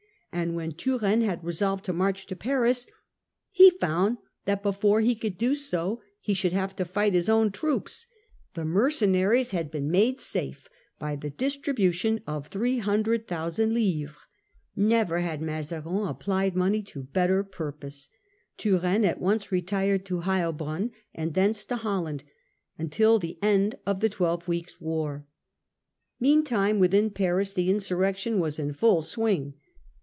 And when Turenne had resolved to march to Paris, he found that before he could do so he should have to fight his own troops. The mercenaries had been made safe by the distribution of 300,000 livres. Never had Mazarin applied money to better purpose. Turenne at once retired to Heilbronn, and thence to Holland, until the end of the twelve weeks' war. Meantime, within Paris, the insurrection was in full swing.